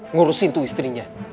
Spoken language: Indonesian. ngurusin tuh istrinya